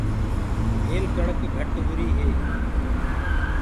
هيل ڪڻڪ گھٽ هوُري هي۔